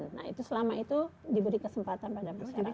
nah itu selama itu diberi kesempatan pada masyarakat